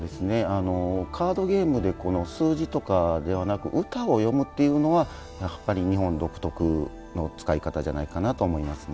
カードゲームで数字とかではなく歌を詠むというのは日本独特の使い方じゃないかなと思いますね。